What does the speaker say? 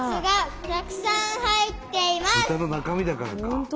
豚の中身だからか。